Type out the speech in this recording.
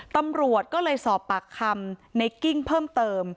ตำรวจก็เลยสอบปากคำในกิ้งเพิ่มเติม